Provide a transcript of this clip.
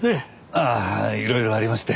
ああいろいろありまして。